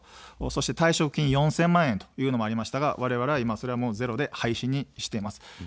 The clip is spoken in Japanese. そして退職金４０００万円というのがありましたがわれわれはいま、ゼロで廃止にしています。